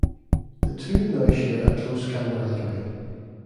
The two now share a close camaraderie.